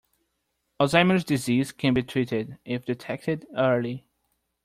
Alzheimer’s disease can be treated if detected early.